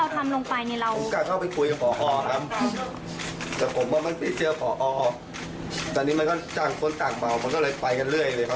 แต่นีมันก็จังคนต่างเบาก็เลยไปกันเรื่อย